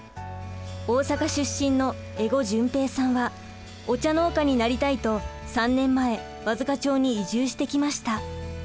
大阪出身の江籠純平さんはお茶農家になりたいと３年前和束町に移住してきました。